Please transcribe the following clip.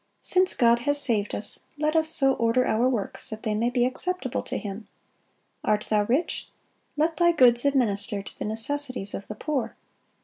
"Since God has saved us, let us so order our works that they may be acceptable to Him. Art thou rich? let thy goods administer to the necessities of the poor.